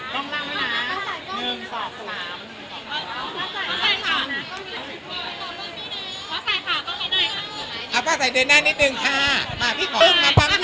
ขอใส่ค่ะก็ได้ค่ะเอาค่ะใส่เดินหน้านิดนึงค่ะมาพี่ขอขอบคุณครับครับ